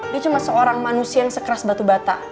dia cuma seorang manusia yang sekeras batu bata